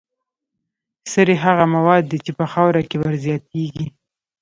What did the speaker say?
سرې هغه مواد دي چې په خاوره کې ور زیاتیږي.